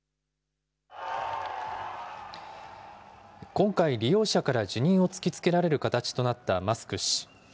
今回、利用者から辞任を突きつけられる形となったマスク氏。